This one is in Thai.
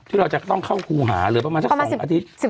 เราจะต้องเข้าครูหาหรือประมาณสัก๒อาทิตย์